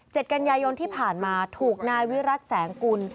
กันยายนที่ผ่านมาถูกนายวิรัติแสงกุล